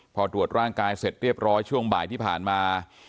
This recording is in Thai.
พอตรวจร่างกายเสร็จเรียบร้อยช่วงบ่ายที่ผ่านมา